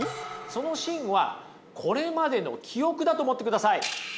その芯はこれまでの記憶だと思ってください。